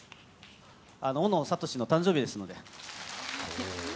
大野智の誕生日ですんで。